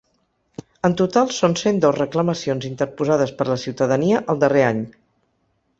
En total, són cent dos reclamacions interposades per la ciutadania el darrer any.